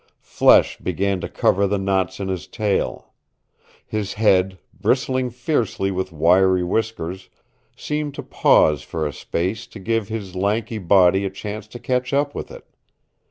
Flesh began to cover the knots in his tail. His head, bristling fiercely with wiry whiskers, seemed to pause for a space to give his lanky body a chance to catch up with it.